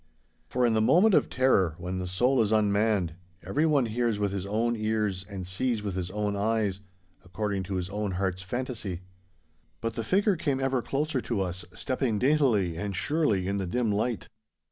For in the moment of terror, when the soul is unmanned, everyone hears with his own ears and sees with his own eyes, according to his own heart's fantasy. But the figure came ever closer to us, stepping daintily and surely in the dim light.